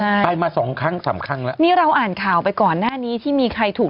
ใช่ไปมาสองครั้งสามครั้งแล้วนี่เราอ่านข่าวไปก่อนหน้านี้ที่มีใครถูก